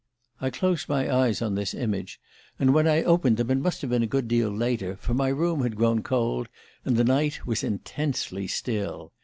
"I closed my eyes on this image, and when I opened them it must have been a good deal later, for my room had grown cold, and the night was intensely still.